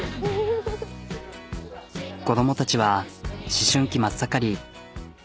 子供たちは思春期真っ盛り。